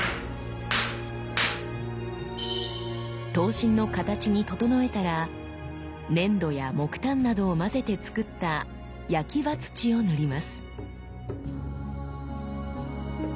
刀身の形に整えたら粘土や木炭などを混ぜて作った焼刃土を塗ります。